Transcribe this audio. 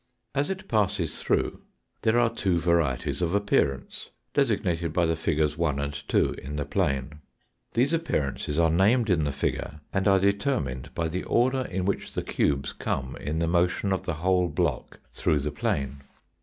As it passes through there are two varieties of appearance designated by the figures 1 and 2 in the plane. These appearances are named in the figure, and are determined by the order in which the cubes 154 THE FOURTH DIMENSION come in the motion of the whole block through the plane.